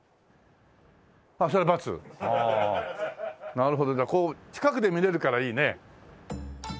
なるほどじゃあこう近くで見れるからいいね。